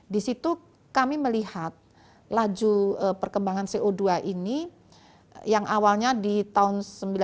di situ kami melihat laju perkembangan co dua ini yang awalnya di tahun sembilan belas